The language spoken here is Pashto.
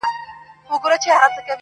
• ستا په نوم به خیراتونه وېشل کېږي -